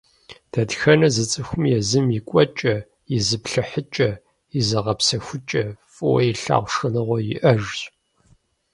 Дэтхэнэ зы цӏыхуми езым и кӏуэкӏэ, и зыплъыхьыкӏэ, и зыгъэпсэхукӏэ, фӏыуэ илъагъу шхыныгъуэ иӏэжщ.